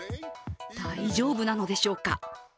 大丈夫なのでしょうか？